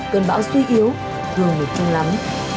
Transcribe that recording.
cơn bão suy yếu thường mệt trung lắm